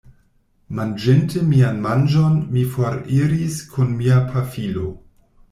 Manĝinte mian manĝon, mi foriris kun mia pafilo.